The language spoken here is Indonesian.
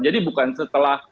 jadi bukan setelah